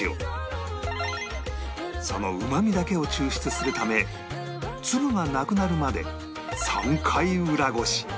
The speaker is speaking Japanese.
そのうまみだけを抽出するため粒がなくなるまで３回裏ごし